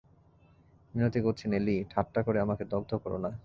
মিনতি করছি নেলি, ঠাট্টা করে আমাকে দগ্ধ করো না।